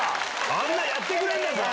あんなんやってくれるんだから。